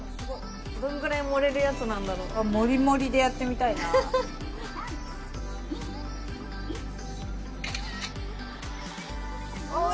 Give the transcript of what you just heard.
どんぐらい盛れるやつなんだろう盛り盛りでやってみたいな３２１うわ